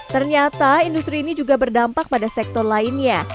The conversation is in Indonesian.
ternyata industri ini juga berdampak pada sektor lainnya